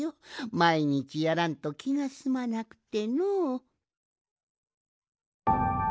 まいにちやらんときがすまなくてのう。